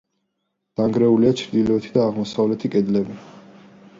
დანგრეულია ჩრდილოეთი და აღმოსავლეთი კედლები.